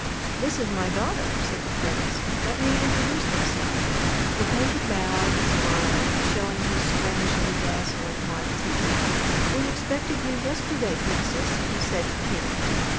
"This is my daughter," said the prince. "Let me introduce myself." The painter bowed and smiled, showing his strangely dazzling white teeth. "We expected you yesterday, princess," he said to Kitty.